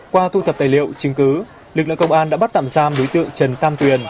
qua thu thập tài liệu chứng cứ lực lượng công an đã bắt tạm giam đối tượng trần tam tuyền